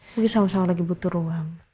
mungkin sama sama lagi butuh ruang